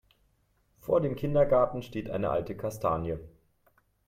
Vor dem Kindergarten steht eine alte Kastanie.